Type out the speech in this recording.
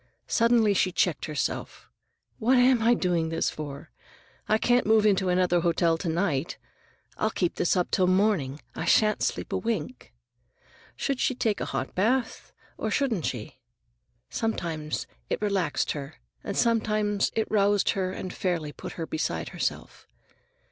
Suddenly she checked herself. "What am I doing this for? I can't move into another hotel to night. I'll keep this up till morning. I shan't sleep a wink." Should she take a hot bath, or shouldn't she? Sometimes it relaxed her, and sometimes it roused her and fairly put her beside herself.